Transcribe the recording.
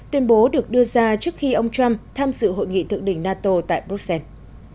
tuyên bố được đưa ra trước khi ông trump tham dự hội nghị thượng đỉnh nato tại bruxelles